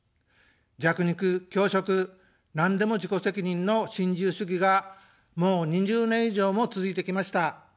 弱肉強食、なんでも自己責任の新自由主義がもう２０年以上も続いてきました。